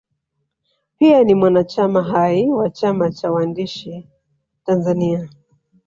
Pia ni mwanachama hai wa chama cha wahandisi Tanzania